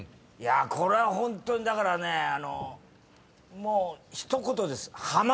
これはホントにだからねもう一言です。